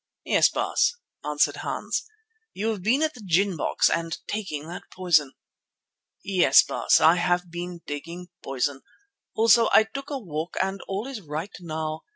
"Yes, Baas," answered Hans. "You have been at the gin box and taking that poison." "Yes, Baas, I have been taking poison. Also I took a walk and all is right now.